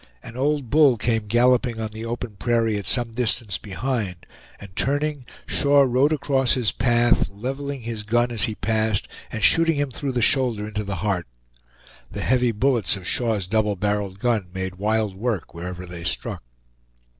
An old bull came galloping on the open prairie at some distance behind, and turning, Shaw rode across his path, leveling his gun as he passed, and shooting him through the shoulder into the heart. The heavy bullets of Shaw's double barreled gun made wild work wherever they struck.